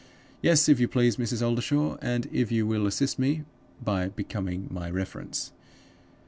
Yes, if you please, Mrs. Oldershaw, and if you will assist me by becoming my reference.